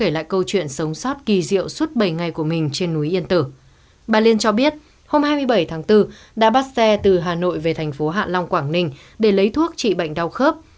bà liên cho biết hôm hai mươi bảy tháng bốn đã bắt xe từ hà nội về thành phố hạ long quảng ninh để lấy thuốc trị bệnh đau khớp